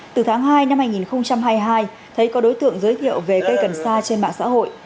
từ tháng hai năm hai nghìn hai mươi hai thấy có đối tượng giới thiệu về cây cần sa trên mạng xã hội